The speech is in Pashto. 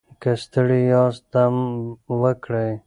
که ستړي یاست دم وکړئ.